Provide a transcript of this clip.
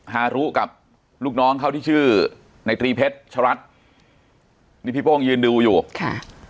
ฮารุกับลูกน้องเขาที่ชื่อในตรีเพชรชรัฐนี่พี่โป้งยืนดูอยู่ค่ะ